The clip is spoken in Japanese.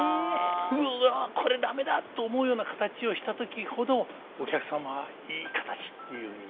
「うわこれ駄目だ」と思うような形をした時ほどお客様はいい形っていうふうに見てくれる。